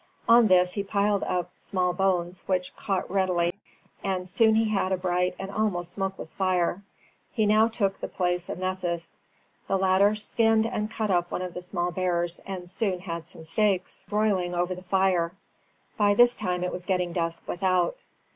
On this he piled up small bones, which caught readily, and he soon had a bright and almost smokeless fire. He now took the place of Nessus. The latter skinned and cut up one of the small bears, and soon had some steaks broiling over the fire. By this time it was getting dusk without.